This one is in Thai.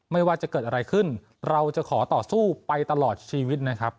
ไม่ว่าจะเกิดอะไรขึ้นเราจะขอต่อสู้ไปตลอดชีวิตนะครับ